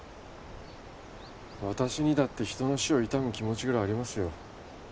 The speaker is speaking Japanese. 私にだって人の死を悼む気持ちぐらいありますよ